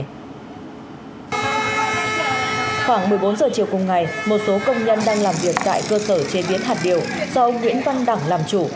khoảng một mươi bốn giờ chiều cùng ngày một số công nhân đang làm việc tại cơ sở chế biến hạt điều do ông nguyễn văn đẳng làm chủ